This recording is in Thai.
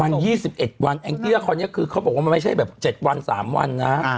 วัน๒๑วันแองเตี้ยคราวนี้คือเขาบอกว่ามันไม่ใช่แบบ๗วัน๓วันนะ